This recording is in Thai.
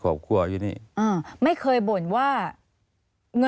พ่อที่รู้ข่าวอยู่บ้าง